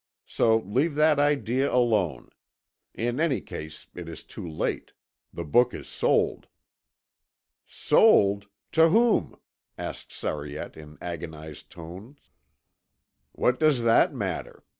So leave that idea alone. In any case it is too late. The book is sold." "Sold? To whom?" asked Sariette in agonized tones. "What does that matter?